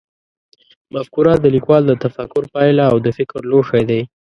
مفکوره د لیکوال د تفکر پایله او د فکر لوښی دی.